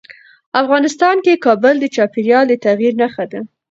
افغانستان کې کابل د چاپېریال د تغیر نښه ده.